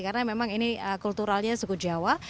karena memang ini kulturalnya suku jawa